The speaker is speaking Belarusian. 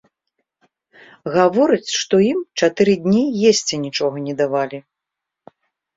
Гаворыць, што ім чатыры дні есці нічога не давалі.